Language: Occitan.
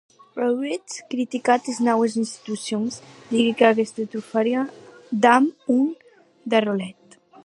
Auetz criticat es naues institucions?, didec aguest de trufaria, damb un arridolet.